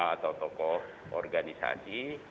atau tokoh organisasi